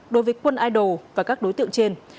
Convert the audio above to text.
đối với quân idol và các đối tượng trên